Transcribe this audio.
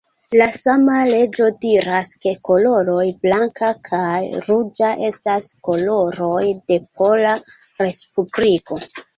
La sama leĝo diras, ke koloroj blanka kaj ruĝa estas koloroj de Pola Respubliko.